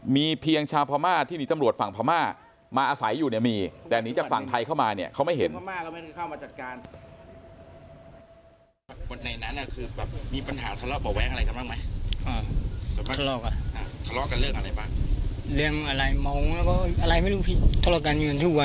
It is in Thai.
มีเพียงชาวพม่าที่หนีตำรวจฝั่งพม่ามาอาศัยอยู่เนี่ยมีแต่หนีจากฝั่งไทยเข้ามาเนี่ยเขาไม่เห็น